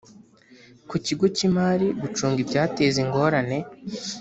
ku kigo cy imari gucunga ibyateza ingorane